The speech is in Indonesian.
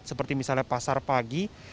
seperti misalnya pasar pagi